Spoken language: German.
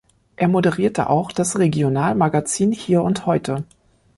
Er moderierte auch das Regionalmagazin "Hier und Heute".